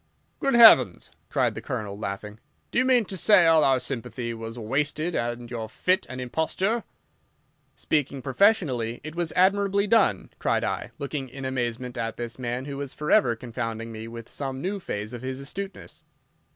"Good heavens!" cried the Colonel, laughing, "do you mean to say all our sympathy was wasted and your fit an imposture?" "Speaking professionally, it was admirably done," cried I, looking in amazement at this man who was forever confounding me with some new phase of his astuteness.